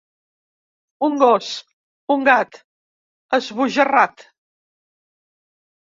Un gos, un gat, esbojarrat.